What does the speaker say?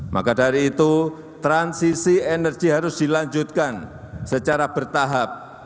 maka dari itu transisi energi harus dilanjutkan secara bertahap